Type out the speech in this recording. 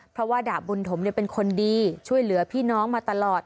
เพราะว่าดาบบุญถมเป็นคนดีช่วยเหลือพี่น้องมาตลอด